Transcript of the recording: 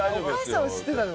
お母さんは知ってたの？